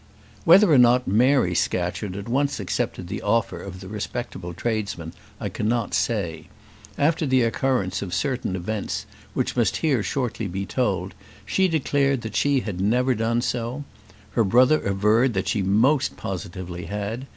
Whether or not Mary Scatcherd at once accepted the offer of the respectable tradesman, I cannot say. After the occurrence of certain events which must here shortly be told, she declared that she never had done so. Her brother averred that she most positively had.